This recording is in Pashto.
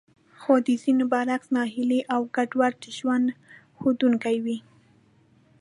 خو د ځينو برعکس ناهيلي او ګډوډ ژوند ښودونکې وې.